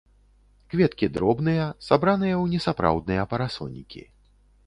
Кветкі дробныя, сабраныя ў несапраўдныя парасонікі.